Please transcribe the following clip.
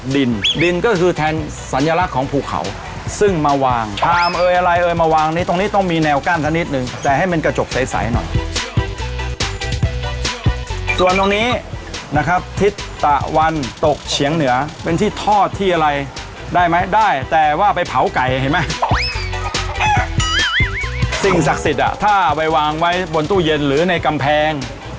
สิ่งศักดิ์สิทธิ์ถ้าเอาไว้วางไว้บนตู้เย็นหรือในกำแพง